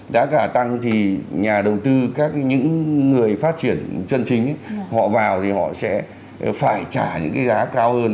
giá cả tăng thì nhà đầu tư các những người phát triển chân chính họ vào thì họ sẽ phải trả những cái giá cao hơn